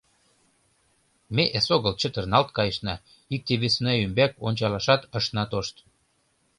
Ме эсогыл чытырналт кайышна, икте-весына ӱмбак ончалашат ышна тошт.